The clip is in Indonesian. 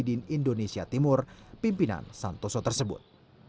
jendi yang menyimpan orang ke prataya timur pimpinan santoso tersebut